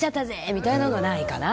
みたいなのはないかな。